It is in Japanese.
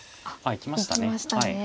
いきましたね。